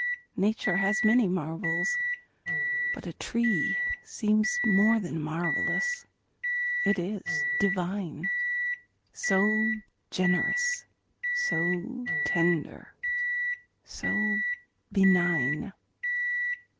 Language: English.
Nature has many marvels; but a tree Seems more than marvellous. It is divine. So generous, so tender, so benign.